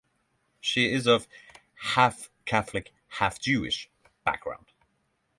She is of "half-Catholic, half-Jewish" background.